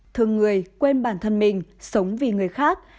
thương người quên bản thân mình sống vì người khác